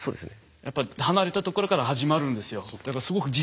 やっぱり離れたところから始まるんですよ。